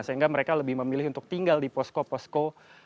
sehingga mereka lebih memilih untuk tinggal di posko posko